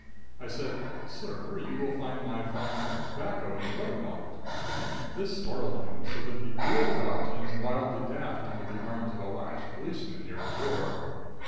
I said, "Sir, you will find my fine cut tobacco in the other pocket." This startled him so that he wheeled about and wildly dashed into the arms of a wax policeman near the door.